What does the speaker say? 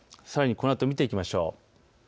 さらにこのあとを見ていきましょう。